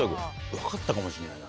分かったかもしんないな。